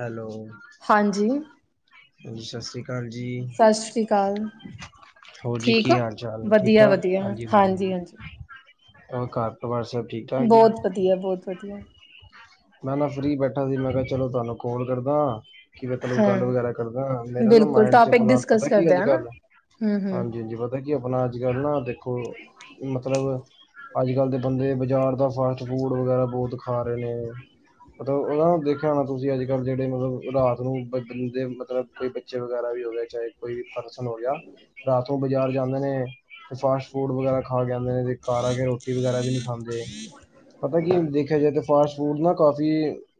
Hello ਹਾਂਜੀ, ਹਾਂਜੀ ਸਸ ਸ੍ਰੀ ਕਾਲ ਜੀ। ਸਸ ਸ੍ਰੀ ਕਾਲ। ਹੋਰ ਜੀ ਕੀ ਹਾਲ ਚਾਲ ਠੀਕ ਠਾਕ, ਵਧੀਆ-ਵਧੀਆ, ਹਾਂਜੀ ਵਧੀਆ ਹਾਂਜੀ-ਹਾਂਜੀ। ਹੋਰ ਘਰ ਪਰਿਵਾਰ ਸਭ ਠੀਕ ਠਾਕ ਜੀ। ਬਹੁਤ ਵਧੀਆ, ਬਹੁਤ ਵਧੀਆ। ਮੈਂ ਨਾ ਫ੍ਰਰੀ ਬੈਠਾ ਸੀ ਮੈਂ ਕਿਹਾ ਚਲੋ ਤੁਹਾਨੂੰ ਕਾਲ ਕਰਦਾ। ਕਿ ਮੈਂ ਤੁਹਾਨੂੰ ਹਾਂ ਗੱਲ ਵਗੈਰਾ ਕਰਦਾ ਮੇਰੇ ਨਾ ਬਿਲਕੁਲ, ਮਾਇੰਡ ਚ ਟੋਪਿਕ ਆਪਣਾ ਡਿਸਕਸ ਪਤਾ ਕੀ ਕਰਦੇ ਅੱਜ ਆ ਨਾ। ਕੱਲ ਹੂੰ-ਹੂੰ। ਹਾਂਜੀ-ਹਾਂਜੀ ਪਤਾ ਕੀ ਆਪਣਾ ਅੱਜ ਕੱਲ ਨਾ ਦੇਖੋ ਮਤਲਬ ਅੱਜ ਕੱਲ ਦੇ ਬੰਦੇ ਬਜ਼ਾਰ ਦਾ ਫਾਸਟ ਫੂਡ ਵਗੈਰਾ ਬਹੁਤ ਖਾ ਰਹੇ ਨੇ। ਮਤਲਬ ਉਹ ਨਾ ਦੇਖਿਆ ਹੋਣਾ ਤੁਸੀਂ ਅੱਜ ਕੱਲ ਜਿਹੜੇ ਮਤਲਬ ਰਾਤ ਨੂੰ ਬ ਬੰਦੇ ਮਤਲਬ ਕੋਈ ਬੱਚੇ ਵਗੈਰਾ ਵੀ ਹੋਵੇ ਚਾਹੇ ਕੋਈ ਫੰਕਸ਼ਨ ਹੋ ਗਿਆ, ਰਾਤ ਨੂੰ ਬਾਜ਼ਾਰ ਜਾਂਦੇ ਨੇ। ਤੇ ਫਾਸਟ ਫੂਡ ਵਗੈਰਾ ਖਾ ਕੇ ਆਂਦੇ ਨੇ, ਤੇ ਘਰ ਆ ਕੇ ਰੋਟੀ ਵਗੈਰਾ ਵੀ ਨਹੀਂ ਖਾਂਦੇ। ਪਤਾ ਕੀ, ਦੇਖਿਆ ਜਾਏ ਤਾਂ ਫਾਸਟ ਫੂਡ ਨਾ ਕਾਫੀ,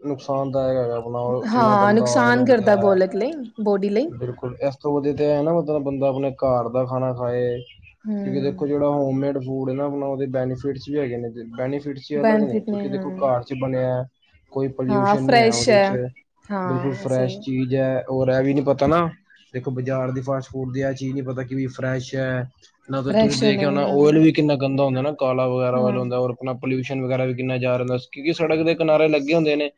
ਨੁਕਸਾਨਦਾਇਕ ਹੈਗਾ ਆਪਣਾ, ਕਿੰਨਾ ਹਾਂ, ਗੰਦਾ ਆਇਲ ਨੁਕਸਾਨ ਹੁੰਦਾ ਕਰਦਾ ਹੈ, ਬੋਲਕ ਲਈ ਬੋਡੀ ਲਈ। ਬਿਲਕੁਲ ਇਸ ਤੋਂ ਵਧੀਆ ਤੇ ਆ ਨਾ ਮਤਲਬ, ਬੰਦਾ ਆਪਣੇ ਘਰ ਦਾ ਖਾਣਾ ਖਾਏ। ਕਿਉਂਕਿ, ਦੇਖੋ ਹੂੰ। ਜਿਹੜਾ ਹੋਮਮੇਡ ਫੂਡ ਐ ਨਾ ਆਪਣਾ, ਉਹਦੇ ਬੈਨੀਫਿਟਸ ਵੀ ਹੈਗੇ ਨੇ। ਬੈਨੀਫਿਟਸ ਵੀ ਉਹਨਾਂ ਦੇ ਨੇ, ਬੈਨੀਫਿਟ ਕਿਉਂਕਿ ਦੇਖੋ ਘਰ ਹਾਂ-ਹਾਂ, ਚ ਬਣਿਆ। ਕੋਈ, ਪੋਲਿਊਸ਼ਨ ਨਹੀਂ ਹੈ, ਉਹਦੇ ਚ ਬਿਲਕੁਲ ਹਾਂ ਸਹੀ, ਫਰੈਸ਼ ਚੀਜ਼ ਔਰ ਐ ਵੀ ਨੀ, ਪਤਾ ਨਾ, ਦੇਖੋ ਬਾਜ਼ਾਰ ਦੀ ਫਾਸਟ ਫੂਡ ਦੀ ਐ ਚੀਜ਼ ਨੀ ਪਤਾ ਕਿ ਫਰੈਸ਼ ਹੈ, ਨਾਲ ਤਾਂ, ਤੁਸੀਂ ਫਰੈਸ਼ ਨੇ ਦੇਖਿਆ ਹੋਣਾ ਓਇਲ ਹਾਂ-ਹਾਂ। ਵੀ ਕਿੰਨਾ ਗੰਦਾ ਹੁੰਦਾ ਨਾ, ਕਾਲਾ ਵਗੈਰਾ ਓਇਲ ਹੁੰਦਾ। ਆਪਣਾ ਪੋਲਿਊਸ਼ਨ ਵਗੈਰਾ ਵੀ, ਕਿੰਨਾ ਜਾਰਲੇਸ ਕਿਉਂਕਿ ਸੜਕ ਦੇ ਕਿਨਾਰੇ ਲੱਗੇ ਹੁੰਦੇ ਨੇ,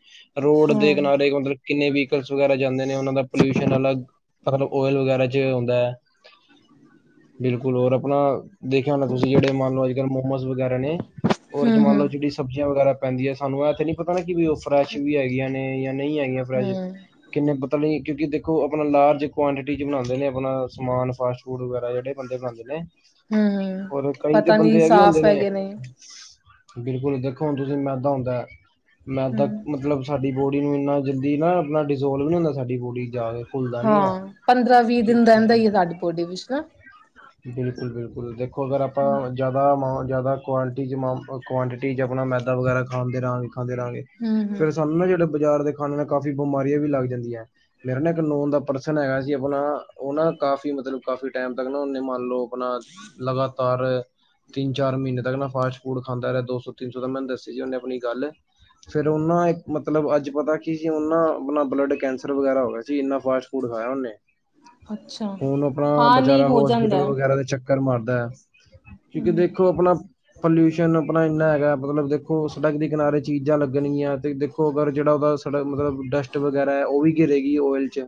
ਰੋਡ ਦੇ ਹੂੰ-ਹੂੰ, ਕਿਨਾਰੇ ਮਤਲਬ, ਕਿੰਨੇ ਵਹੀਕਲਸ ਵਗੈਰਾ ਜਾਂਦੇ ਨੇ, ਉਹਨਾਂ ਦਾ ਪੋਲਿਊਸ਼ਨ ਅਲੱਗ ਮਤਲਬ, ਓਇਲ ਵਗੈਰਾ ਚ ਹੁੰਦਾ ਹੈ। ਬਿਲਕੁਲ, ਹੋਰ ਆਪਣਾ ਦੇਖਿਆ ਹੋਣਾ, ਤੁਸੀਂ ਜਿਹੜੇ ਮੰਨ ਲਓ, ਅੱਜ ਕੱਲ ਮੋਮੋਸ ਵਗੈਰਾ ਨੇ ਔਰ ਜੇ, ਮੰਨ ਲਉ ਜਿਹੜੀ ਸਬਜ਼ੀਆਂ, ਵਗੈਰਾ ਪੈਂਦੀਆਂ ਸਾਨੂੰ ਆ ਤੇ ਨੀ ਪਤਾ ਨਾ, ਕਿ ਵੀ, ਉਹ ਫਰੈਸ਼ ਵੀ ਹੈਗੀਆਂ ਨੇ, ਜਾਂ ਨਹੀਂ ਹੈਗੀਆਂ ਫਰੈਸ਼ ਕਿੰਨੇ ਪਤਾ ਨਹੀਂ, ਕਿਉਂਕਿ ਦੇਖੋ ਆਪਣਾ ਲਾਰਜ ਕੁਆਂਟਿਟੀ ਚ ਬਣਾਉਂਦੇ ਨੇ, ਆਪਣਾ ਸਮਾਨ ਫਾਸਟ ਫੂਡ ਵਗੈਰਾ। ਬੜੇ ਬੰਦੇ ਬਣਾਉਂਦੇ ਨੇ, ਹੂੰ-ਹੂੰ, ਔਰ ਕਈ ਤੇ ਪਤਾ ਨੀ ਬੰਦੇ ਇਹ ਵੀ ਹੁੰਦੇ ਸਾਫ਼ ਨੇ ਹੈਗੇ ਬਿਲਕੁਲ ਦੇਖੋ, ਹੁਣ ਤੁਸੀਂ ਮੈਦਾ ਹੁੰਦਾ ਮੈਦਾ, ਹੂੰ। ਮਤਲਬ ਸਾਡੀ ਬੋਡੀ ਨੂੰ, ਇੰਨਾ ਜਲਦੀ ਨਾ ਇਨਾਂ ਡਜ਼ੋਲਵ ਨੀ ਹੁੰਦਾ, ਸਾਡੀ ਬੋਡੀ ਚ ਜਾ ਕੇ ਘੁਲਦਾ ਨੀ ਆ ਹਾਂ ਪੰਦਰਾਂ ਵੀਹ ਦਿਨ ਰਹਿੰਦਾ ਹੀ ਹੈ ਸਾਡੀ ਬੋਡੀ ਵਿੱਚ ਨਾ ਬਿਲਕੁਲ- ਬਿਲਕੁਲ ਦੇਖੋ, ਅਗਰ ਆਪਾਂ ਜ਼ਿਆਦਾ ਮਾ ਜ਼ਿਆਦਾ ਕੁਆਂਟਿਟੀ ਕੁਆਂਟਿਟੀ ਚ ਆਪਣਾ, ਮੈਦਾ ਵਗੈਰਾ ਖਾਂਦੇ ਰਹਾਂਗੇ ਖਾਂਦੇ ਰਹਾਂਗੇ, ਹਮ ਹਮ ਫੇਰ ਸਾਨੂੰ ਨਾ, ਜਿਹੜੇ ਬਾਜ਼ਾਰ ਦੇ ਖਾਣੇ ਨਾਲ, ਕਾਫੀ ਬਿਮਾਰੀਆਂ ਵੀ ਲੱਗ ਜਾਂਦੀਆਂ। ਮੇਰੇ ਨਾ ਇੱਕ ਨੋਨ ਦਾ ਪਰਸਨ ਹੈਗਾ ਸੀ, ਆਪਣਾ ਉਹ ਨਾ, ਕਾਫੀ ਮਤਲਬ ਕਾਫੀ ਟਾਈਮ ਤੱਕ ਨਾ, ਉਹਨੇ ਮੰਨ ਲਓ ਆਪਣਾ, ਲਗਾਤਾਰ ਤਿੰਨ, ਚਾਰ ਮਹੀਨੇ ਤੱਕ ਨਾ, ਫਾਸਟ ਫੂਡ ਖਾਂਦਾ ਰਿਹਾ, ਦੋ ਸੌ, ਤਿੰਨ ਸੌ ਦਾ, ਮੈਂਨੂੰ ਦੱਸੀ ਸੀ, ਉਹਨੇ ਆਪਣੀ ਗੱਲ ਫੇਰ ਉਹ ਨਾ ਮਤਲਬ ਅੱਜ ਪਤਾ ਕੀ, ਉਹ ਨਾ ਆਪਣਾ ਬਲੱਡ ਕੈਂਸਰ ਵਗੈਰਾ ਹੋ ਗਿਆ ਸੀ, ਇੰਨਾ ਫਾਸਟ ਫੂਡ ਖਾਇਆ ਉਹਨੇ। ਅੱਛਾ ਹੁਣ ਆਪਣਾ, ਹਾਂ ਨਹੀਂ ਵਿਚਾਰਾ ਹੋ ਜਾਂਦਾ ਹੋਸਪਿਟਲ ਵਗੈਰਾ ਦੇ ਚੱਕਰ ਮਾਰਦਾ। ਕਿਉਂਕਿ ਹਮ ਦੇਖੋ, ਆਪਣਾ ਪੋਲਿਊਸ਼ਨ ਆਪਣਾ ਇੰਨਾ ਹੈਗਾ, ਮਤਲਬ ਦੇਖੋ ਸੜਕ ਦੇ ਕਿਨਾਰੇ ਚੀਜ਼ਾਂ ਲੱਗਣੀਆਂ, ਤੇ ਦੇਖੋ ਅਗਰ ਜਿਹੜਾ ਉਹਦਾ ਸੜਕ ਮਤਲਬ, ਡਸਟ ਵਗੈਰਾ ਹੈ ਉਹ ਵੀ ਗਿਰੇ ਗੀ ਓਇਲ ਚ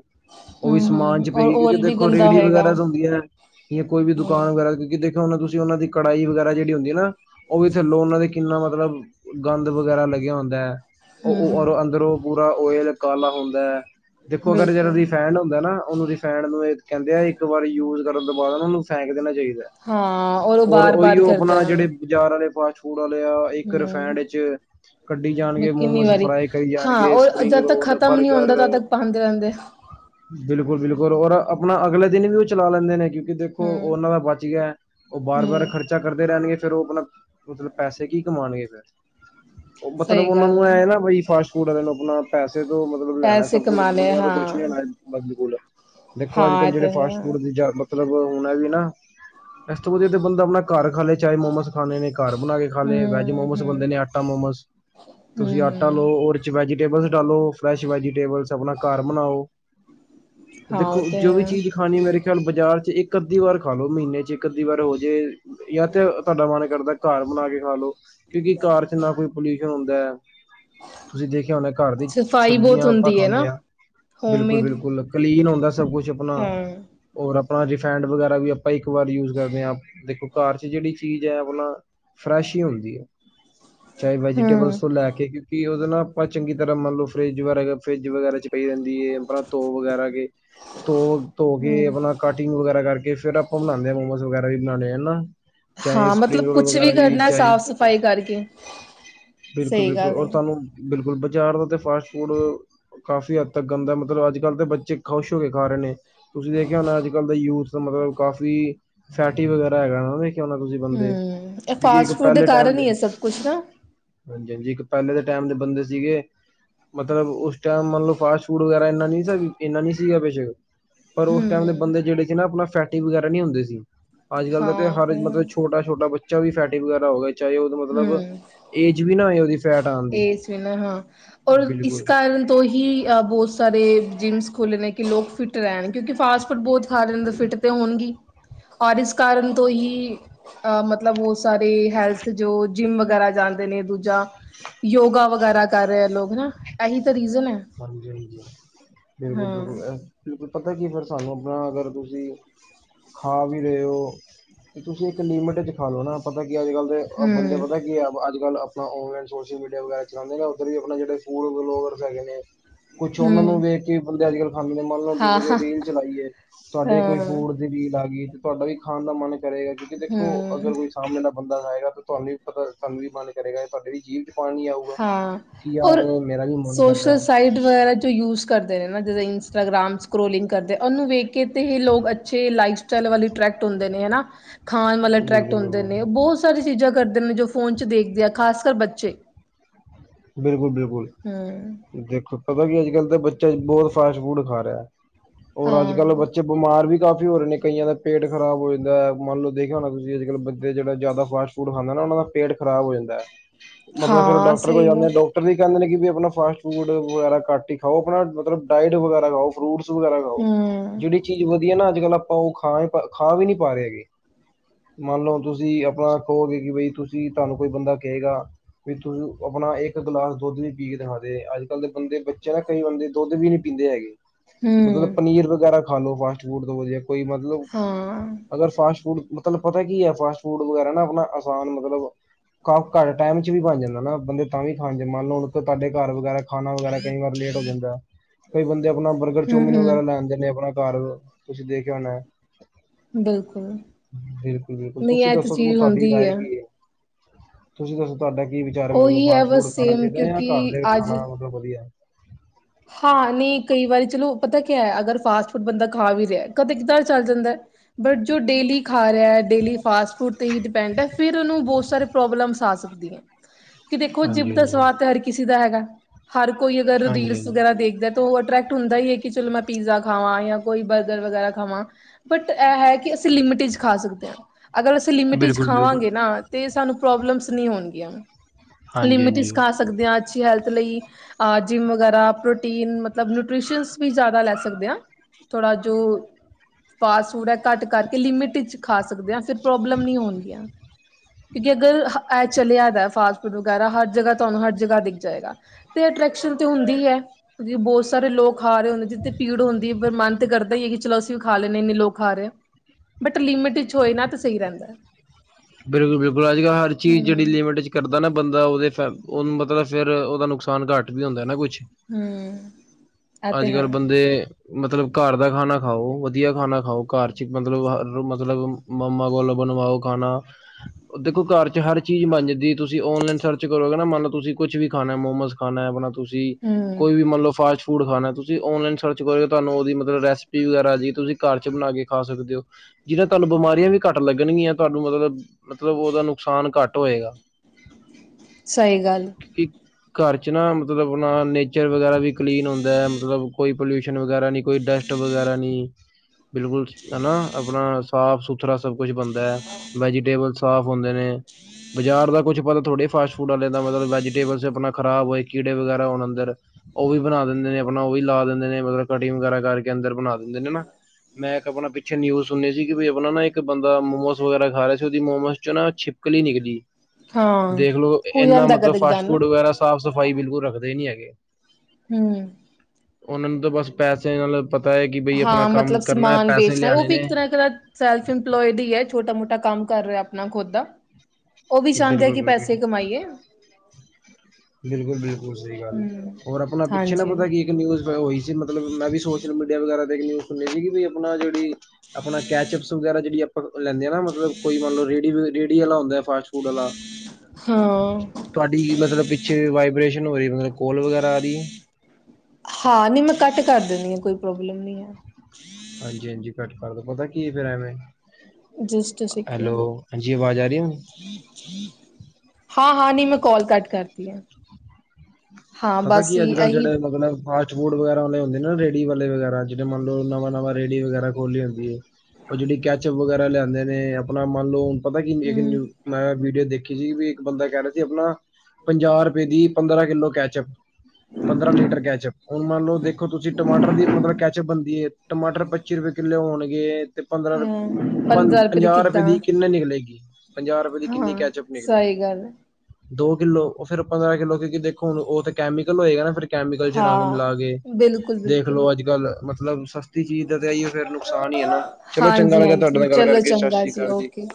ਉਹ ਵੀ ਸਮਾਨ ਹਮ ਚ, ਔਰ ਪਏਗੀ ਕਿਉਂਕਿ ਓਲ ਵੀ ਦੇਖੋ ਗੰਦਾ ਰੇਹੜੀ ਹੋਏਗਾ ਵਗੈਰਾ ਤੋਂ ਹੈ, ਜਾਂ ਕੋਈ ਵੀ ਹਮ ਦੁਕਾਨ ਵਗੈਰਾ, ਕਿਉਂਕਿ ਦੇਖਿਆ ਹੋਣਾ ਤੁਸੀਂ, ਉਹਨਾਂ ਦੀ ਕੜਾਹੀ ਵਗੈਰਾ ਜਿਹੜੀ ਹੁੰਦੀ ਹੈ ਨਾ ਉਹ ਵੀ, ਥੱਲੋਂ ਉਹਨਾਂ ਦੇ, ਕਿੰਨਾ ਮਤਲਬ ਗੰਦ ਵਗੈਰਾ ਲੱਗਿਆ ਹੁੰਦਾ ਹੈ। ਹਮ ਉਹ ਔਰ ਹਮ ਅੰਦਰੋਂ, ਪੂਰਾ ਓਇਲ ਕਾਲਾ ਹੁੰਦਾ ਹੈ। ਦੇਖੋ, ਅਗਰ ਜਿਹੜਾ ਬਿਲਕੁਲ ਰਿਫੈਨਡ ਹੁੰਦਾ ਨਾ, ਉਹਨੂੰ ਰਿਫੈਨਡ ਨੂੰ ਏ ਕਹਿੰਦੇ ਆ, ਇੱਕ ਵਾਰੀ ਯੂਜ ਕਰਨ ਤੋਂ ਬਾਅਦ ਨਾ ਉਹਨੂੰ ਫੈਂਕ, ਦੇਣਾ ਚਾਹੀਦਾ। ਹਾਂ, ਔਰ ਉਹ ਬਾਰ- ਬਾਰ ਕਰਦਾ ਨਾ। ਬਜ਼ਾਰ ਵਾਲੇ, ਫਾਸਟ ਫੂਡ ਵਾਲੇ ਆ ਇੱਕ ਰਿਫੈੰਡ 'ਚ ਕੱਢੀ ਮੈਂ ਜਾਣਗੇ, ਕਿੰਨੀ ਮੋਮੋਸ ਵਾਰੀ ਫਰਾਈ ਕਰੀ ਹਾਂ ਜਾਣਗੇ, ਔਰ ਸਪਰਿੰਗ ਜਦ ਤੱਕ ਰੋਲ ਖ਼ਤਮ ਨਹੀਂ ਬਰਗਰ ਹੁੰਦਾ ਤਦ ਤੱਕ ਪਾਉਂਦੇ ਰਹਿੰਦੇ ਬਿਲਕੁਲ -ਬਿਲਕੁਲ, ਔਰ ਆਪਣਾ ਅਗਲਾ ਦਿਨ ਵੀ ਉਹ ਚਲਾ ਲੈਂਦੇ ਨੇ, ਕਿ ਕਿ ਦੇਖੋ, ਹਮ ਉਹਨਾਂ ਦਾ ਬਚ ਗਿਆ ਉਹ ਬਾਰ- ਬਾਰ ਹਮ ਖਰਚਾ ਕਰਦੇ ਰਹਿਣਗੇ, ਫੇਰ ਉਹ ਆਪਣਾ ਮਤਲਬ ਪੈਸੇ ਕੀ, ਕਮਾਉਣਗੇ ਫਿਰ? ਉਹ ਮਤਲਬ, ਸਹੀ ਉਹਨਾ ਗੱਲ ਨੂੰ ਇਹ ਹੈ ਨਾ ਬਈ ਫਾਸਟ ਫੂਡ ਆਲਿਆਂ ਦਾ ਆਪਣਾ ਪੈਸੇ ਤੋਂ ਮਤਲਬ ਲੈਣਾ ਪੈਸੇ ਸਭ ਕੁਛ ਕਮਾ ਲਏ ਬੰਦਿਆਂ ਦਾ ਕੁਛ ਨੀ ਹਾਂ ਲੈਣਾ। ਬਿਲਕੁਲ, ਦੇਖੋ ਅੱਜ ਹਾਂ ਇਹ ਕਲ ਤਾਂ ਹੈ [unintelligible] ਇਸ ਤੋਂ ਵਧੀਆ ਤੇ, ਬੰਦਾ ਆਪਣਾ ਘਰ ਖਾ ਲਏ ਚਾਹੇ ਮੋਮੋਸ ਖਾਣੇ ਨੇ, ਘਰ ਬਣਾ ਕੇ ਖਾ ਲਏ ਵੈਜ ਹਮ ਮੋਮੋਸ ਹਮ ਬਣਦੇ ਨੇ ਆ ਆਟਾ ਮੋਮੋਸ ਤੁਸੀਂ ਹਮ ਆਟਾ ਲਉ, ਹਮ ਉਰ ਚ ਵੈਜੀਟੇਬਲਸ ਡਾਲੋ, ਫਰੈਸ਼ ਵੈਜੀਟੇਬਲਸ ਆਪਣਾ ਘਰ ਬਣਾਉ। ਹਾਂ ਦੇਖੋ, ਉਹ ਤੇ ਜੋ ਵੀ ਹੈ ਚੀਜ਼ ਖਾਣੀ ਮੇਰੇ ਖਿਆਲ ਬਾਜ਼ਾਰ ਚ, ਇੱਕ ਅੱਧੀ ਵਾਰ ਖਾ ਲਉ, ਮਹੀਨੇ ਚ ਇੱਕ ਅੱਧੀ ਵਾਰ ਹੋਜੇ। ਜਾਂ ਤੇ ਤੁਹਾਡਾ ਮਨ ਕਰਦਾ ਘਰ ਬਣਾ ਕੇ ਖਾਾਲ ਲੋ ਕਿਉਂਕਿ ਘਰ ਨਾ ਕੋਈ ਪੋਲਿਊਸ਼ਨ ਹੁੰਦਾ ਐ। ਤੁਸੀਂ ਦੇਖਿਆ ਹੋਣਾ ਘਰ ਦੀ ਸਫ਼ਾਈ ਬਹੁਤ ਛੱਲੀਆ ਆਪਾਂ ਹੁੰਦੀ ਹੈ ਨਾ ਖਾਂਦੇ ਆ ਬਿਲਕੁਲ, ਹੋਮਮੇਡ ਬਿਲਕੁਲ ਕਲੀਨ ਹੁੰਦਾ ਸਭ ਕੁਛ ਆਪਣਾ ਹਾਂ ਔਰ ਆਪਣਾ ਰਿਫਾਇਡ ਵਗੈਰਾ ਵੀ ਆਪਾਂ ਇੱਕ ਵਾਰ ਯੂਜ ਕਰਦੇ ਆ ਦੇਖੋ ਘਰ ਚ ਜੇੜੀ ਚੀਜ਼ ਐ ਆਪਣਾ ਫਰੈਸ਼ ਈ ਹੁੰਦੀ ਐ। ਚਾਏ ਵੈਜੀਟੇਬਲ ਹਮ ਤੋਂ ਲੈ ਕੇ ਕਿਉਂਕਿ ਓਦਾ ਨਾ ਆਪਾਂ ਚੰਗੀ ਤਰ੍ਹਾਂ ਮੰਨਲੋ ਫਰਿਜ ਵ ਫਰਿਜ ਵਗੈਰਾ ਚ ਪਈ ਰਹਿੰਦੀ ਐ ਆਪਣਾ ਧੋ ਵਗੈਰਾ ਕੇ ਧੋ ਧੋ ਕੇ ਹਮ ਆਪਣਾ ਕਟਿੰਗ ਵਗੈਰਾ ਕਰ ਕੇ ਫੇਰ ਆਪਾਂ ਬਣਾਦੇ ਆਂ ਮੋਮਸ ਵਗੈਰਾ ਵੀ ਬਣਾਣੇ ਆ ਨਾ ਚਾਹੇ ਹਾਂ ਸਪਰਿੰਗ ਮਤਲਬ ਰੋਲ ਕੁਛ ਵੀ ਵਗੈਰਾ ਕਰਨਾ ਸਾਫ਼ ਸਫ਼ਾਈ ਕਰਕੇ ਸਹੀ ਬਿਲਕੁਲ-ਬਿਲਕੁਲ ਗੱਲ ਔਰ ਹੈ ਤੁਆਨੂੰ ਬਿਲਕੁਲ ਬਜ਼ਾਰ ਦਾ ਤਾਂ ਫਾਸਟ ਫੂਡ ਕਾਫ਼ੀ ਹੱਦ ਤੱਕ ਗੰਦਾ ਮਤਲਬ ਅੱਜ ਕੱਲ੍ਹ ਦੇ ਬੱਚੇ ਖੁਸ਼ ਹੋ ਕੇ ਖਾ ਰੇ ਨੇ। ਤੁਸੀਂ ਦੇਖਿਆ ਹੋਣਾ ਅੱਜ ਕੱਲ੍ਹ ਦਾ ਯੂਥ ਮਤਲਬ ਕਾਫੀ ਫੈਟੀ ਵਗੈਰਾ ਹੈਗਾ ਨਾ ਦੇਖਿਆ ਹੋਣਾ ਤੁਸੀਂ ਬੰਦੇ ਹਮ ਇਹ ਕਿਉਂਕਿ ਇੱਕ ਫਾਸਟ ਫੂਡ ਪੈਲੇ ਟੈਮ ਕਾਰਨ ਦੇ ਹੀ ਹੈ ਸਭ ਕੁਛ ਨਾ ਹਾਂਜੀ, ਹਾਂਜੀ ਇੱਕ ਪੈਲੇ ਦੇ ਟੈਮ ਦੇ ਬੰਦੇ ਸੀਗੇ ਮਤਲਬ ਉਸ ਟੈਮ ਮਨ ਲੋ ਫਾਸਟ ਫੂਡ ਵਗੈਰਾ ਇਨਾ ਨ ਸੀ ਇਨਾ ਨੀ ਸੀਗਾ ਬੇਸ਼ਕ ਪਰ ਉਸ ਹਮ ਟੈਮ ਦੇ ਹਮ ਬੰਦੇ ਜੇੜੇ ਸੀ ਨਾ ਆਪਣਾ ਫੈਟੀ ਵਗੈਰਾ ਨੀ ਹੁੰਦੇ ਸੀ। ਅੱਜ ਕੱਲ ਦੇ ਤੇ ਹਰ ਮਤਲਬ ਛੋਟਾ-ਛੋਟਾ ਬੱਚਾ ਵੀ ਫੈਟੀ ਵਗੈਰਾ ਹੋ ਗਿਆ ਚਾਏ ਓਦੇ ਮਤਲਬ ਏਜ ਵੀ ਨਾ ਹੋਏ ਉਹਦੀ ਫੈਟ ਆਣ ਦੀ। ਏਸ ਵੀ ਨਾ ਹਾਂ ਔਰ ਇਸ ਬਿਲਕੁਲ ਕਾਰਨ ਤੋਂ ਹੀ ਅ ਬੋਤ ਸਾਰੇ ਜਿੰਮਸ ਖੋਲ੍ਹੇ ਨੇ ਕਿ ਲੋਕ ਫਿਟ ਰੈਣ ਕਿਉਂਕਿ ਫਾਸਟ ਫੂਡ ਬਹੁਤ ਖਾਂ ਲੈਂਦੇ ਫਿੱਟ ਤੇ ਹੋਣਗੇ ਈ। ਔਰ ਇਸ ਕਾਰਨ ਤੋਂ ਹੀ ਅ ਮਤਲਬ ਵੋ ਸਾਰੇ ਹੈਲਥ ਜੋ ਜਿੰਮ ਵਗੈਰਾ ਜਾਂਦੇ ਨੇ ਦੂਜਾ ਯੋਗਾ ਵਗੈਰਾ ਕਰ ਰੇ ਆ ਲੋਗ ਹਨਾ ਇਹੀ ਤੇ ਰੀਜ਼ਨ ਐ। ਹਾਂਜੀ-ਹਾਂਜੀ ਬਿਲਕੁਲ ਬਿਲਕੁਲ ਬਿਲਕੁਲ ਪਤਾ ਕੀ ਫਿਰ ਸਾਨੂੰ ਆਪਣਾ ਅਗਰ ਤੁਸੀਂ ਖਾ ਵੀ ਰੇ ਓ ਤੇ ਤੁਸੀਂ ਇੱਕ ਲਿਮਿਟ 'ਚ ਖਾ ਲਓ ਨਾ ਪਤਾ ਕੀ ਅੱਜ ਕੱਲ੍ਹ ਬੰਦੇ ਹਮ ਪਤਾ ਕੀ ਐ ਅੱਜ ਕੱਲ੍ਹ ਓਨਲਾਈਨ ਸੋਸ਼ਲ ਮੀਡੀਆ ਵਗੈਰਾ ਚਲਾਦੇ ਨੇ ਉੱਧਰ ਵੀ ਓ ਨਾ ਜੇੜੇ ਫ਼ੂਡ ਵਲੋਗਰਸ ਹੈਗੇ ਨੇ ਕੁਛ ਉਹਨਾਂ ਨੂੰ ਹਮ ਵੇਖ ਕੇ ਬੰਦੇ ਅੱਜ ਕੱਲ ਖਾਂਦੇ ਨੇ ਮੰਨ ਲੋ ਹਾਂ ਤੁਸੀਂ ਕੋਈ ਰੀਲ ਚਲਾਈ ਏ ਤੁਆਡੇ ਕੋਈ ਹਾਂ ਫੂਡ ਦੀ ਰੀਲ ਆ ਗਈ ਤੇ ਤੁਆਡਾ ਵੀ ਖਾਣ ਦਾ ਮਨ ਕਰੇਗਾ ਕਿਉਂਕਿ ਦੇਖੋ ਅਗਰ ਹਮ ਕੋਈ ਸਾਹਮਣੇ ਦਾ ਬੰਦਾ ਖਾਏਗਾ ਤੇ ਤੁਹਾਨੂੰ ਵੀ ਪਤਾ ਸਾਨੂੰ ਵੀ ਮਨ ਕਰੇਗਾ ਤੁਹਾਡੇ ਵੀ ਜੀਵ ਚ ਪਾਣੀ ਆਊਗਾ ਕਿ ਯਾਰ ਮੇਰਾ ਵੀ ਮਨ ਕਰਦਾ ਸੋਸ਼ਲ ਐ। ਸਾਈਟ ਵਗੈਰਾ ਜੋ ਯੂਜ਼ ਕਰਦੇ ਨੇ ਨਾ ਜਿੱਦਾਂ ਇੰਸਟਾਗ੍ਰਾਮ ਸਕਰੋਲਿੰਗ ਕਰਦੇ ਉਹਨੂੰ ਵੇਖ ਕੇ ਤੇ ਇਹ ਲੋਕ ਅੱਛੇ ਲਾਈ ਚਲ ਵਾਲੀ ਟਰੈਕਟ ਹੁੰਦੇ ਨੇ ਹਨਾ ਖਾਣ ਵਲ ਬਿਲਕੁਲ ਅਟਰੈਕਟ ਹੁੰਦੇ ਬਿਲਕੁਲ ਨੇ ਬੋਤ ਸਾਰੀ ਚੀਜ਼ਾਂ ਕਰਦੇ ਨੇ ਜੋ ਫੋਨ ਚ ਦੇਖਦੇ ਆ ਖ਼ਾਸ ਕਰ ਬੱਚੇ ਬਿਲਕੁਲ ਬਿਲਕੁਲ ਹਮ ਦੇਖੋ ਪਤਾ ਕੀ ਅੱਜਕੱਲ ਦਾ ਬੱਚਾ ਬਹੁਤ ਫਾਸਟ ਫੂਡ ਖਾ ਰਿਆ ਔਰ ਅੱਜ ਕੱਲ ਬ ਹਾਂ ਚੇ ਬੀਮਾਰ ਵੀ ਕਾਫੀ ਹੋ ਰੇ ਨੇ। ਕਈਆਂ ਦਾ ਪੇਟ ਖਰਾਬ ਹੋ ਜਾਂਦਾ ਮਨਲੋ ਦੇਖਿਆ ਹੋਣਾ ਤੁਸੀ ਅਜਕਲ ਬੱਚੇ ਜੇੜਾ ਜਾਦਾ ਫਾਸਟ ਫ਼ੂਡ ਖਾਂਦੇ ਨੇ ਨਾ ਓਨਾ ਦਾ ਪੇਟ ਖਰਾਬ ਹੋ ਜਾਂਦਾ ਐ, ਮਤਲਬ ਫੇਰ ਹਾਂ ਡਾਕਟਰ ਕੋਲ ਸਹੀ ਗੱਲ ਜਾਂਦੇ ਡਾ ਡਾਕਟਰ ਵੀ ਕਹਿੰਦੇ ਨੇ ਕਿ ਆਪਣਾ ਫਾਸਟ ਫੂਡ ਵਗੈਰਾ ਘੱਟ ਹੀ ਖਾਓ ਆਪਣਾ ਮਤਲਬ ਡਾਇਟ ਵਗੈਰਾ ਖਾਓ ਫਰੂਟ ਸੂ ਵਗੈਰਾ ਗਾਓ ਹਮ ਜੇੜੀ ਚੀਜ਼ ਵਧੀਆ ਨਾ ਅੱਜਕੱਲ ਆਪਾਂ ਉਹ ਖਾ ਖਾ ਵੀ ਨੀ ਪਾ ਰਹੇ ਹੈਗੇ ਮਨ ਲੋ ਹੁਣ ਤੁਸੀ ਆਪਣਾ ਕਓਗੇ ਕਿ ਬਈ ਤੁਆਨੁ ਕੋਈ ਬੰਦਾ ਕਏਗਾ ਤੂੰ ਆਪਣਾ ਇੱਕ ਗਲਾਸ ਦੁੱਧ ਵੀ ਪੀ ਕੇ ਦਿਖਾ ਦੇ ਅੱਜ ਕੱਲ ਦੇ ਬੰਦੇ ਬੱਚਿਆਂ ਦਾ ਕਈ ਬੰਦੇ ਦੁਧ ਵੀ ਨੀ ਪੀਂਦੇ ਹੈਗੇ ਮਤਲਬ ਹਮ ਪਨੀਰ ਵਗੈਰਾ ਖਾ ਲਓ ਫਾਸਟ ਫੂਡ ਦੋ ਵਜੇ ਕੋਈ ਮਤਲਬ ਹਾਂ ਅਗਰ ਫਾਸਟ ਫ਼ੂਡ ਮਤਲਬ ਪਤਾ ਕੀ ਐ ਫਾਸਟ ਫੂਡ ਵਗੈਰਾ ਨਾ ਆਪਣਾ ਆਸਾਨ ਮਤਲਬ ਘਰ ਘੱਟ ਟੈਮ ਚ ਵੀ ਬਣ ਜਾਂਦਾ ਨਾ ਬੰਦੇ ਤਾ ਵੀ ਖਾਂਗੇ ਮੰਨ ਲੋ ਉਤੋਂ ਤੁਹਾਡੇ ਘਰ ਵਗੈਰਾ ਖਾਣਾ ਵਗੈਰਾ ਕਈ ਵਾਰ ਲੇਟ ਹੋ ਜਾਂਦਾ ਕਈ ਬੰਦੇ ਆਪਣਾ ਬਰਗਰ ਹਮ ਚੋਮੀਨ ਹਮ ਵਗੈਰਾ ਲੈ ਆਂਦੇ ਨੇ ਆਪਣਾ ਘਰ ਤੁਸੀਂ ਦੇਖਿਆ ਹੋਣਾ ਬਿਲਕੁਲ ਫੇਰ ਕਿ ਐ। ਨਹੀਂ ਤੁਸੀਂ ਇਹ ਤਾਂ ਦੱਸੋ ਚੀਜ਼ ਤੁਆਡੀ ਹੁੰਦੀ ਰਾਏ ਹੈ ਕੀ ਐ। ਤੁਸੀਂ ਦੱਸੋ ਤਾਡਾ ਕੀ ਵਿਚਾਰ [unintelligible] ਉਹੀ ਹੈ ਫਾਸਟ ਬਸ ਫ਼ੂਡ ਖਾਣਾ ਸੇਮ ਚਾਹੀਦਾ ਜਾਂ ਕਿਉਂਕਿ ਘਰ ਦੇ ਖਾਣਾ ਮਤਲਬ ਵਧੀਆ ਹਾ, ਨਈ ਕਈ ਵਾਰੀ ਚਲੋ ਪਤਾ ਕਿਆ ਅਗਰ ਫਾਸਟ ਫ਼ੂਡ ਬੰਦਾ ਖਾ ਵੀ ਰਿਆ ਕਦੇ ਕਦਾ ਚਲ ਜਾਂਦਾ। ਬਟ ਜੋ ਡੇਲੀ ਖਾ ਰੇਆ, ਡੇਲੀ ਫਾਸਟ ਫ਼ੂਡ ਤੇ ਹੀ ਡਿਪੈਂਡ ਫਿਰ ਉਹਨੂੰ ਬਹੁਤ ਸਾਰੇ ਪ੍ਰੋਬਲਮ ਆ ਸਕਦੀ। [inaudible] ਕਿ ਦੇਖੋ ਹਾਂਜੀ ਜਿਬ ਦਾ ਹਾਂਜੀ ਸਵਾਦ ਤੇ ਹਰ ਕਿਸੀ ਦਾ ਹੈਗਾ ਹਰ ਕੋਈ ਹਾਂਜੀ ਅਗਰ ਰੀਲਸ ਵਗੈਰਾ ਹਾਂਜੀ ਦੇਖਦਾ ਤੋ ਅਟਰੈਕਟ ਹੁੰਦਾ ਈ ਐ ਕਿ ਚਲੋ ਮੈਂ ਪੀਜ਼ਾ ਖਾਵਾਂ ਜਾਂ ਕੋਈ ਬਰਗਰ ਵਗੈਰਾ ਖਾਵਾਂ ਬਟ ਐ ਕਿ ਅਸੀਂ ਲਿਮਿਟ ਚ ਖਾ ਸਕਦੇ ਆ ਅਗਰ ਅਸੀਂ ਲਿਮਿਟ ਚ ਬਿਲਕੁਲ ਬਿਲਕੁਲ ਖਾਵਾਂਗੇ ਨਾ ਤੇ ਸਾਨੂੰ ਪ੍ਰੋਬਲਮਸ ਨੀ ਹੋਣਗੀਆਂ ਹਾਂਜੀ ਹਾਂਜੀ ਲਿਮਿਟਸ ਖਾ ਸਕਦੇ ਆ। ਛੀ ਹੈਲਥ ਲਈ ਅ ਜੀਮ ਵਗੈਰਾ ਪ੍ਰੋਟੀਨ ਮਤਲਬ ਨਿਊਟਰੀਸ਼ਨਸ ਵੀ ਜਾਦਾ ਲੈ ਸਕਦੇ ਆ ਥੋੜਾ ਜੋ ਫਾਸਟ ਫ਼ੂਡ ਘੱਟ ਕਰਕੇ ਲਿਮਿਟ ਚ ਖਾ ਸਕਦੇ ਆਂ ਫਿਰ ਪ੍ਰੋਬਲਮ ਨੀ ਹੋਣਗੀਆਂ। ਕਿਉਂਕਿ ਅਗਰ ਐ ਚਲਿਆ ਦੈ ਫਾਸ ਫੂਡ ਵਗੈਰਾ ਹਰ ਜਗਾ ਤੁਆਨੂੰ ਹਰ ਜਗਾ ਦਿਖ ਜਾਏਗਾ ਤੇ ਅਟਰੈਕਸ਼ਨ ਤੇ ਹੁੰਦੀ ਐ। ਬਹੁਤ ਸਾਰੇ ਲੋਕ ਖਾ ਰੇ ਹੁੰਦੇ ਜਿੱਥੇ ਪੀੜ ਹੁੰਦੀ ਮਨ ਤੇ ਕਰਦਾ ਈ ਐ ਕਿ ਚਲੋ ਅਸੀਂ ਵੀ ਖਾ ਲੈਨੇ ਏਨੇ ਲੋਕ ਖਾ ਰੇ ਐ। ਬਟ ਲਿਮਿਟ ਵਚ ਹੋਏ ਨਾ ਤ ਸਈ ਰਹਿੰਦਾ। ਬਿਲਕੁਲ ਬਿਲਕੁਲ ਅਜਕਲ ਹਰ ਚੀਜ਼ ਜੇੜੀ ਹਮ ਲੀ ਕਰਦਾ ਨਾ ਬੰਦਾ ਉਹਦੇ ਫ ਓਨੁ ਮਤਲਬ ਫੇਰ ਉਹਦਾ ਨੁਕਸਾਨ ਘੱਟ ਵੀ ਹੁੰਦਾ ਨਾ ਕੁਛ ਹਮ ਇਹ ਤੇ ਅੱਜਕੱਲ ਹੈ ਬੰਦੇ ਮਤਲਬ ਘਰ ਦਾ ਖਾਣਾ ਖਾਓ ਵਧੀਆ ਖਾਣਾ ਖਾਓ ਘਰ ਚ ਮਤਲਬ ਮਤਲਬ ਮੱਮਾ ਕੋਲੋ ਬਨਵਾਓ ਖਾਣਾ ਦੇਖੋ ਘਰ ਚ ਹਰ ਚੀਜ਼ ਬਣ ਜਾਂਦੀ ਤੁਸ ਆਨਲਾਈਨ ਸਰਚ ਕਰੋਗੇ ਨਾ ਮੰਨ ਲੋ ਤੁਸੀਂ ਕੁਝ ਵੀ ਖਾਣਾ ਮੋਮਸ ਖਾਣਾ ਆਪਣਾ ਤੁਸੀਂ ਹਮ ਕੋਈ ਵੀ ਮੰਨ ਲਓ ਫਾਸਟ ਫੂਡ ਖਾਣਾ ਤੁਸੀ ਆਨਲਾਈਨ ਸਰਚ ਕਰੋ ਤਾਨੂੰ ਉਹਦੀ ਮਤਲਬ ਰੈਸਪੀ ਵਗੈਰਾ ਜੀ ਤੁਸੀਂ ਘਰ ਚ ਬਣਾ ਕੇ ਖਾ ਸਕਦੇ ਓ ਜਿਦਾ ਤਾਨੂੰ ਬਿਮਾਰੀਆਂ ਵੀ ਘੱਟ ਲੱਗਣਗੀਆਂ ਤਾਨੂੰ ਮਤਲਬ ਓਦਾ ਨੁਕਸਾਨ ਘੱਟ ਹੋਏਗਾ। ਸਈ ਗੱਲ ਕਿ ਘਰ ਚ ਨਾ ਮਤਲਬ ਨ ਨੇਚਰ ਵਗੈਰਾ ਵੀ ਕਲੀਨ ਹੁੰਦਾ ਐ ਮਤਲਬ ਕੋਈ ਪੋਲਿਊਸ਼ਨ ਵਗੈਰਾ ਨੀ ਕੋਈ ਡਸਟ ਵਗੈਰਾ ਨੀ ਬਿਲਕੁਲ ਹਨਾ ਆਪਣਾ ਸਾਫ ਥੁਰਾ ਸਭ ਕੁਝ ਬੰਦਾਐ ਵੈਜੀਟੇਬਲ ਸਾਫ ਹੁੰਦੇ ਨੇ ਬਾਜ਼ਾਰ ਦਾ ਕੁਝ ਪਤਾ ਥੋੜੀ ਫਾਸ ਫ਼ੂਡ ਵਾਲਿਆਂ ਦਾ ਮਤਲਬ ਵੈਜੀਟੇਬਲਸ ਆਪਣਾ ਖਰਾਬ ਹੋਏ ਕੀੜੇ ਵਗੈਰਾ ਹੋਣ ਅੰਦਰ ਓ ਵੀ ਬਣਾ ਦਿੰਦੇ ਨੇ ਆਪਣਾ ਓ ਵੀ ਲਾ ਦਿੰਦੇ ਨੇ ਮਤਲਬ ਕਟਿੰਗ ਵਗੈਰਾ ਕਰਕੇ ਅੰਦਰ ਬਣਾ ਦਿੰਦੇ ਨੇ ਨਾ ਮੈਂ ਇਕ ਆਪਣਾ ਪਿੱਛੇ ਨਿਊਜ਼ ਸੁਣੀ ਸੀ ਕਿ ਬਈ ਆਪਣਾ ਨਾ ਇੱਕ ਬੰਦਾ ਮੋਮੋਸ ਵਗੈਰਾ ਖਾ ਰੇਆ ਸੀ ਓਦੀ ਮੋਮਸ ਚੋ ਨਾ ਛਿਪਕਲੀ ਨਿਕਲੀ ਹਾਂ ਦੇਖ ਲਓ ਹੋ ਇਨਾ ਜਾਂਦਾ ਮਤਲਬ ਫਾਸਟ ਗਦਗਦਾਨ ਨਾ ਫੂਡ ਵਗੈਰਾ ਸਾਫ ਸਫਾਈ ਬਿਲਕੁਲ ਰੱਖਦੇ ਨੀ ਹੈਗੇ ਹੂੰ। ਓਨਾਂ ਨੂੰ ਤਾਂ ਬਸ ਪੈਸੇ ਨਾਲ ਪਤੈ ਏ ਕਿ ਬਈ ਅਪਣਾ ਹਾਂ ਕੰਮ ਮਤਲਬ ਕਰਨੈ, ਸਮਾਨ ਪੈਸੇ ਵੇਚਣਾ ਉਹ ਲਿਆਣੇ ਵੀ ਨੇ। ਇੱਕ ਤਰ੍ਹਾਂ ਦਾ ਸੈਲਫ ਇੰਪਲੋਇਡ ਈ ਐ ਛੋਟਾ-ਮੋਟਾ ਕੰਮ ਕਰ ਰਿਐ ਅਪਣਾ ਖੁਦ ਦਾ। ਓਹ ਵੀ ਚਾਂਦੇ ਐ ਬਿਲਕੁਲ ਕਿ ਬਿਲਕੁਲ ਪੈਸੇ ਕਮਾਈਏ। ਬਿਲਕੁਲ ਬਿਲਕੁਲ ਸਈ ਗੱਲ ਐ ਹੂੰ ਔਰ ਅਪਣਾ ਪਿੱਛੇ ਨਾ ਹਾਂਜੀ ਪਤੈ ਕੀ ਕਿ ਨਿਊਜ਼ ਹੋਈ ਸੀ, ਮਤਲਬ ਮੈਂ ਵੀ ਸੋਸ਼ਲ ਮੀਡੀਆ ਵਗੈਰਾ ਤੇ ਇੱਕ ਨਿਊਜ਼ ਸੁਣੀ ਸੀਗੀ ਕਿ ਅਪਣਾ ਜੇੜੀ ਅਪਣਾ ਕੈਚਅਪਸ ਵਗੈਰਾ ਜੇੜੀ ਅਪਾਂ ਲੈਂਦੇ ਆਂ ਨਾ ਮਤਲਬ ਕੋਈ ਮੰਨ ਲੋ ਰੇਡੀ ਵ ਰੇਡੀ ਆਲਾ ਹੋੰਦੈ ਫਾਸਟ-ਫੂਡ ਆਲਾ ਹਾਂ ਤੁਹਾਡੀ ਮਤਲਬ ਕਿ ਚੇ ਵਾਈਬ੍ਰੇਸ਼ਨ ਹੋ ਰੀ ਐ ਮਤਲਬ ਕੋਲ ਵਗੈਰਾ ਆ ਰੀ ਏ? ਹਾਂ, ਨਈ ਮੈਂ ਕੱਟ ਕਰ ਦੇੰਣੀ ਆਂ ਕੋਈ ਪ੍ਰੋਬਲਮ ਨੀ ਐ। ਹਾਂਜੀ ਹਾਂਜੀ, ਕੱਟ ਕਰਦੋ ਪਤਾ ਕੀ ਐ ਫੇਰ ਐਵੇਂ ਜਸਟ ਤੁਸੀਂ ਕਿਹਾ ਹੈਲੋ, ਹਾਂਜੀ ਆਵਾਜ਼ ਆ ਰੀ ਹੁਣ? ਹਾਂ ਹਾਂ, ਨੀ ਮੈਂ ਕੋਲ ਕੱਟ ਕਰਤੀ ਐ। ਪਤਾ ਕੀ ਐ ਅੱਜ-ਕੱਲ੍ਹ ਇਹੀ ਜੇੜੇ ਮਤਲਬ ਫਾਸ ਫੂਡ ਵਗੈਰਾ ਵਾਲੇ ਹੁੰਦੇ ਨਾ ਰੇੜੀ ਵਾਲੇ ਵਗੈਰਾ ਜੇੜੇ ਮੰਨ ਲੋ ਨਵਾਂ-ਨਵਾਂ ਰੇੜੀ ਵਗੈਰਾ ਖੋਲੀ ਹੁੰਦੀ ਏ। ਓਹ ਜੇੜੀ ਕੈਚਅਪ ਵਗੈਰਾ ਲਿਆਂਦੇ ਨੇ ਅਪਣਾ ਮੰਨ ਲੋ ਪਤੈ ਕਿੰਝ ਏ ਹੂੰ ਕਿੰਝ ਮੈਂ ਵੀਡੀਓ ਦੇਖੀ ਸੀਗੀ ਵੀ ਇੱਕ ਬੰਦਾ ਕੈ ਰਿਆ ਸੀ ਅਪਣਾ ਪੰਜਾਹ ਰੁਪਏ ਦੀ ਪੰਦਰਾਂ ਕਿੱਲੋ ਕੈਚ ਅਪ ਪੰਦਰਾਂ ਲੀਟਰ ਕੈਚਅਪ। ਹੁਣ ਮੰਨ ਲੋ ਦੇਖੋ ਤੁਸੀਂ ਟਮਾਟਰ ਦੀ ਪੰਦਰਾਂ ਕੈਚਪ ਬਣਦੀ ਏ ਟਮਾਟਰ ਪੱਚੀ ਰੁਪਏ ਕਿੱਲੋ ਹੋਣਗੇ। ਤੇ ਪੰਦਰਾਂ ਹਾਂ ਪੰਦਰਾਂ ਪੰਜ-ਪੰਜਾਹ ਰੁਪਏ ਕਿੱਦਾਂ ਦੀ ਕਿੰਨੇ ਨਿਕਲੇਗੀ? ਪੰਜਾਹ ਰੁਪਏ ਦੀ ਕਿੰਨੀ ਹਾਂ ਕੈਚਅਪ ਨਿਕਲੇਗੀ? ਸਹੀ ਗੱਲ ਹੈ ਦੋ ਕਿੱਲੋ, ਓਹ ਫੇਰ ਪੰਦਰਾਂ ਕਿੱਲੋ ਕਿਉਂਕਿ ਦੇਖੋ ਹੁਣ ਓਹ ਤੇ ਕੈਮੀਕਲ ਹੋਏਗਾ ਨਾ ਫਿਰ। ਕੈਮੀਕਲ ਚ ਰਾੰਗ ਹਾਂ ਮਿਲਾ ਕੇ, ਬਿਲਕੁਲ ਬਿਲਕੁਲ ਦੇਖਲੋ ਅੱਜ-ਕੱਲ ਮਤਲਬ ਸਸਤੀ ਚੀਜ਼ ਦਾ ਤੇ ਅਈਔ ਫੇਰ ਨੁਕਸਾਨ ਹੀ ਏ ਨਾ, ਚਲੋ ਚੰਗਾ ਹਾਂਜੀ ਲੱਗਿਆ ਤੁਹਾਡੇ ਹਾਂਜੀ ਨਾਲ ਗੱਲ ਚਲੋ ਕਰਕੇ ਸਤ ਚੰਗਾ ਸ੍ਰੀ ਕਾਲ ਜੀ। ਓਕੇ